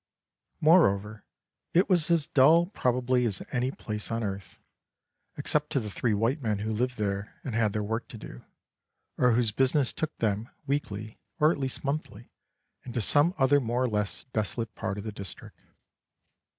Moreover, it was as dull probably as any place on earth, except to the three white men who lived there and had their work to do, or whose business took them, weekly, or at least monthly, into some other more or less desolate part of the district.